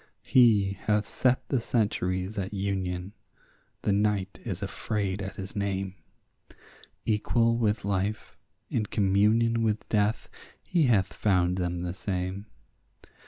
He hath set the centuries at union; the night is afraid at his name; Equal with life, in communion with death, he hath found them the same.